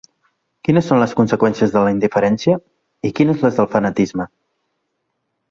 Quines són les conseqüències de la indiferència, i quines les del fanatisme?